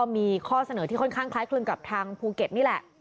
มีข้อเสนอที่ค่อนข้างคล้ายคลึงกับทางภูเก็ตนี่แหละ